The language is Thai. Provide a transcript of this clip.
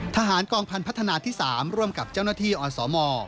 ทหารกองพันธนาที่๓ร่วมกับเจ้าหน้าที่อสม